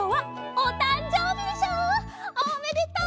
おめでとう！